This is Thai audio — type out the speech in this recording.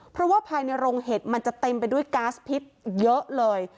เพราะว่าภายในโรงเห็ดมันจะเต็มไปด้วยก๊าซพิษเยอะเลย